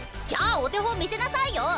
じゃあお手本見せなさいよ！